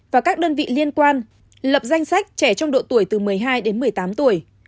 và các đơn vị liên quan lập danh sách trẻ trong độ tuổi từ một mươi hai đến một mươi tám tuổi